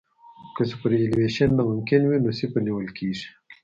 که سوپرایلیویشن ناممکن وي نو صفر نیول کیږي